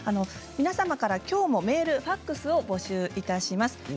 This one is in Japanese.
皆さんからきょうもメールファックスを募集いたします。